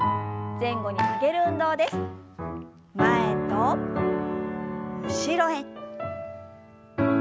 前と後ろへ。